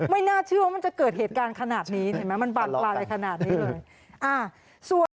ไม่น่าเชื่อว่ามันจะเกิดเหตุการณ์ขนาดนี้เห็นไหมมันบานปลายขนาดนี้เลย